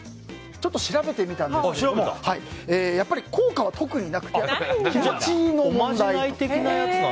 ちょっと調べてみたんですけども効果は特になくて気持ちの問題。